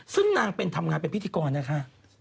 ซึ่งนางเป็นทำงานเป็นพิธีกรนะคะ